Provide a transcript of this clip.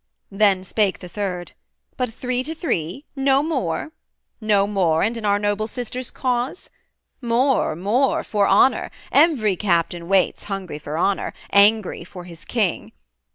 Then spake the third 'But three to three? no more? No more, and in our noble sister's cause? More, more, for honour: every captain waits Hungry for honour, angry for his king.